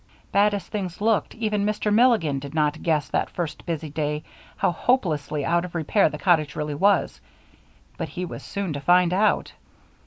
Bad as things looked, even Mr. Milligan did not guess that first busy day how hopelessly out of repair the cottage really was; but he was soon to find out.